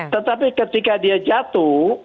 tetapi ketika dia jatuh